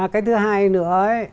cái thứ hai nữa